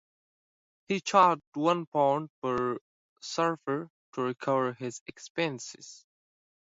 He charged one pound per surfer to recover his expenses.